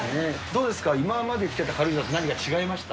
今まで来てた軽井沢と何か違いました？